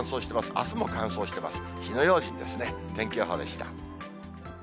あすも乾燥してます。